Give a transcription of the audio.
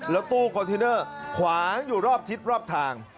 แล้วตู้คอนเทนเนอร์ขวางอยู่รอบทิศรอบทาง